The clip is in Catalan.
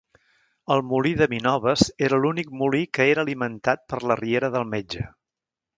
El molí de minoves era l'únic molí que era alimentat per la riera del Metge.